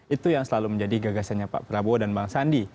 itu yang selalu menjadi gagasannya pak prabowo dan bang sandi